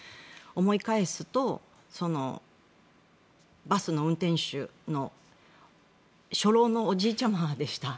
思い返すと、バスの運転手初老のおじいちゃまでした。